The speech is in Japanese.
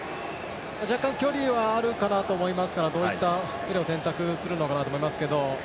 若干、距離はあるかなと思いますからどういったプレーを選択するかと思いますけれども。